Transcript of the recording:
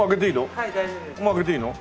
もう開けていいの？